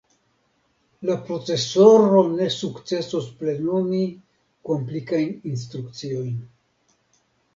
La procesoro ne sukcesos plenumi komplikajn instrukciojn.